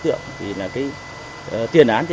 thực ra thì